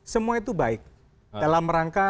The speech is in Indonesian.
semua itu baik dalam rangka